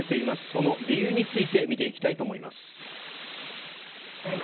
その理由について見ていきたいと思います。